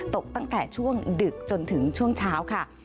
ตกตั้งแต่ช่วงดึกจนถึงช่วงเช้าค่ะ